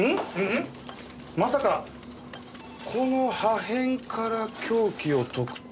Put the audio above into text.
まさかこの破片から凶器を特定しろとか？